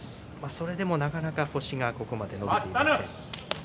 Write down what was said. それでも、なかなか星がここまで伸びていません。